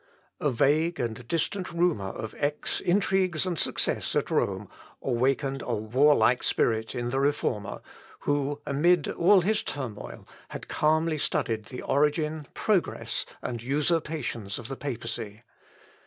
A vague and distant rumour of Eck's intrigues and success at Rome awakened a warlike spirit in the Reformer, who, amid all his turmoil, had calmly studied the origin, progress, and usurpations of the papacy.